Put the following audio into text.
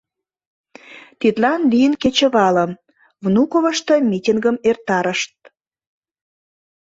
Тидлан лийын кечывалым Внуковышто митингым эртарышт.